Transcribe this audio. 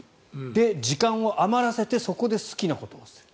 で、時間を余らせてそこで好きなことをする。